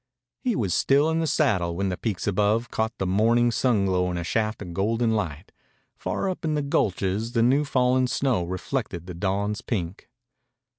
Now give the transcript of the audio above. He was still in the saddle when the peaks above caught the morning sun glow in a shaft of golden light. Far up in the gulches the new fallen snow reflected the dawn's pink.